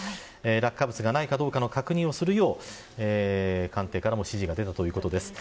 落下物がないかどうかの確認をするよう官邸からも指示が出たということです。